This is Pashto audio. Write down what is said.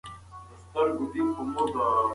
خیر محمد په خپل زړه کې د هیچا بد نه غوښتل.